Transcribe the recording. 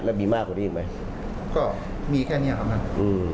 แล้วมีมากกว่านี้อีกไหมก็มีแค่เนี้ยครับอืม